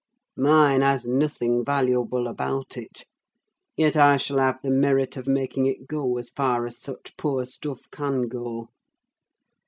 Mine has nothing valuable about it; yet I shall have the merit of making it go as far as such poor stuff can go.